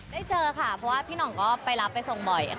ได้เจอค่ะเพราะว่าพี่หน่องก็ไปรับไปส่งบ่อยค่ะ